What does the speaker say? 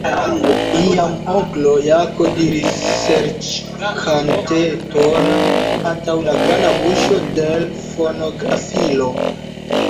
Iam onklo Jako diris ŝerckanteton antaŭ la granda buŝo de l' fonografilo.